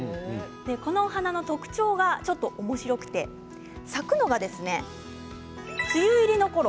このお花の特徴がおもしろくて咲くのが梅雨入りのころ。